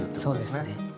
そうですね。